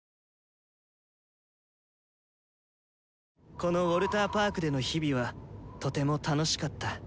このウォルターパークでの日々はとても楽しかった。